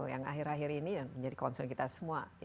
yang akhir akhir ini menjadi concern kita semua